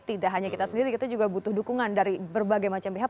tidak hanya kita sendiri kita juga butuh dukungan dari berbagai macam pihak